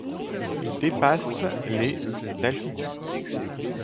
Il dépasse les d'altitude.